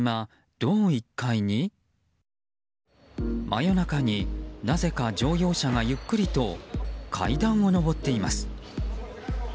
真夜中になぜか乗用車がゆっくりと階段を上っています。